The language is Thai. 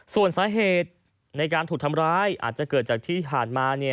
ส่วนสาเหตุในการถูกทำร้ายอาจจะเกิดจากที่ผ่านมา